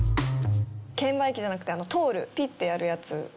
券売機じゃなくて通るピッてやるやつ。